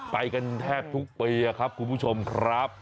ไปกันแทบทุกปีครับคุณผู้ชมครับ